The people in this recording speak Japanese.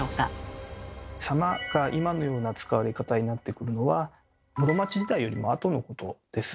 「様」が今のような使われ方になってくるのは室町時代よりもあとのことです。